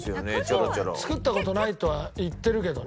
作った事ないとは言ってるけどね。